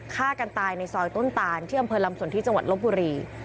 ฆ่ากันตายในซอยต้นตานที่อำเภอลำสนที่จังหวัดลบบุรี